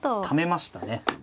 ためましたね。